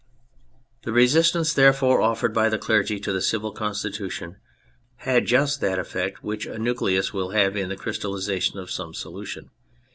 The resistance, therefore, offered by the clergy to the Civil Constitution, had just that effect which a nucleus will have in the crystallisation of some solution.